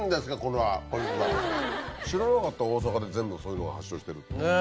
知らなかった大阪で全部そういうのが発祥してるって。